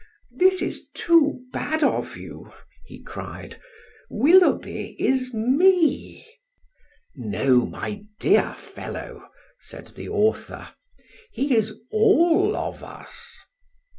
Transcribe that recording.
"This is too bad of you," he cried. "Willoughby is me!" "No, my dear fellow," said the author; "he is all of us."